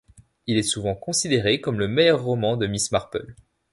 Il est souvent considéré comme le meilleur roman de Miss Marple.